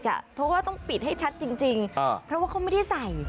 เพราะว่าต้องปิดให้ชัดจริงเพราะว่าเขาไม่ได้ใส่